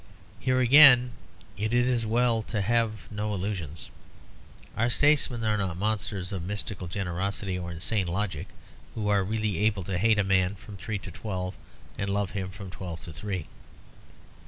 Here, again, it is as well to have no illusions. Our statesmen are not monsters of mystical generosity or insane logic, who are really able to hate a man from three to twelve and to love him from twelve to three.